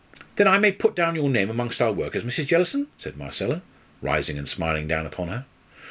"Then I may put down your name among our workers, Mrs. Jellison?" said Marcella, rising and smiling down upon her.